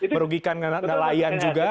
merugikan nelayan juga